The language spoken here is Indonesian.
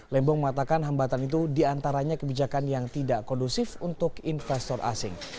lembong mengatakan hambatan itu diantaranya kebijakan yang tidak kondusif untuk investor asing